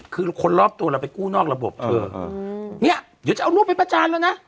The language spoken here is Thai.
คือคนรอบตัวเราไปกู้นอกระบบเธอเนี่ยเดี๋ยวจะเอารูปไปประจานแล้วนะ